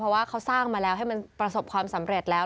เพราะว่าเขาสร้างมาแล้วให้มันประสบความสำเร็จแล้ว